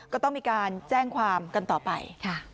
ก็ต้องมีการแจ้งความกันต่อไป